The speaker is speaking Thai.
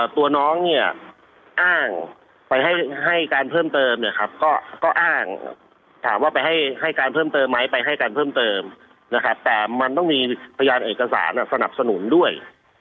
ตัวน้องเนี่ยอ้างไปให้การเพิ่มเติมแต่มันต้องมีพยานเอกสารสนับสนุนด้วย